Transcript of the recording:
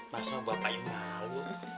masa bapaknya malu